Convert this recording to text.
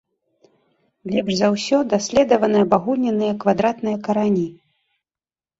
Лепш за ўсё даследаваны абагульненыя квадратныя карані.